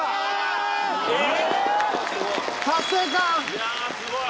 いやぁすごい。